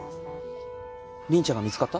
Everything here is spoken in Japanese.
凛ちゃんが見つかった？